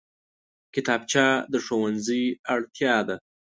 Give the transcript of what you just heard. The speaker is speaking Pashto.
کتابچه د ښوونځي اړتیا ده